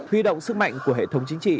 huy động sức mạnh của hệ thống chính trị